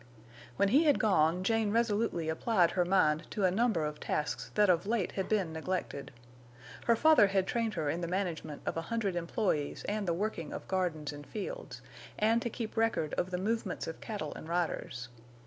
When he had gone Jane resolutely applied her mind to a number of tasks that of late had been neglected. Her father had trained her in the management of a hundred employees and the working of gardens and fields; and to keep record of the movements of cattle and riders.